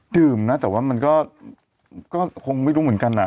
ดื่มนะแต่ว่ามันก็คงไม่รู้เหมือนกัน